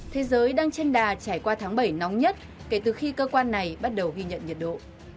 thế giới đang trên đà trải qua tháng bảy nóng nhất kể từ khi cơ quan này bắt đầu ghi nhận nhiệt độ